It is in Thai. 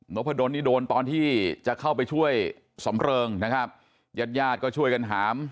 พะดนนี่โดนตอนที่จะเข้าไปช่วยสำเริงนะครับญาติญาติก็ช่วยกันหาม